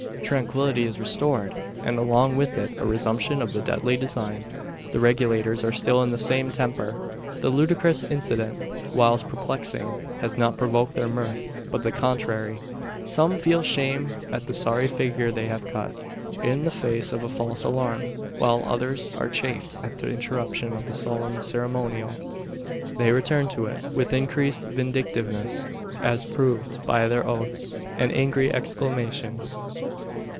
Tranquillity is restored, and along with it a resumption of the deadly design. The Regulators are still in the same temper. The ludicrous incident, whilst perplexing, has not provoked their mirth; but the contrary. Some feel shame at the sorry figure they have cut, in the face of a false alarm; while others are chafed at the interruption of the solemn ceremonial. They return to it with increased vindictiveness as proved by their oaths, and angry exclamations.